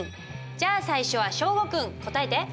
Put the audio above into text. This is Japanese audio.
じゃあ最初は祥伍君答えて。